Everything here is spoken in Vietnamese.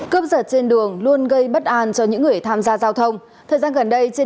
cướp giật trên đường luôn gây bất an cho những người tham gia giao thông thời gian gần đây trên